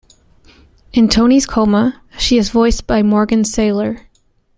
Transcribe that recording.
In Tony's coma, she is voiced by Morgan Saylor.